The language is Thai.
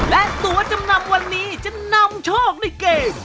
และตัวจำนำวันนี้จะนำโชคในเกม